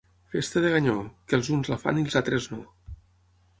Festa de ganyó, que els uns la fan i els altres no.